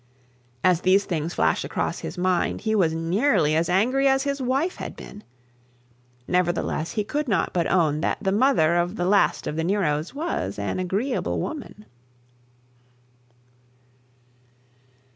As these things flashed across his mind, he was nearly as angry as his wife had been. Nevertheless he could not but own that the mother of the last of the Neros was an agreeable woman.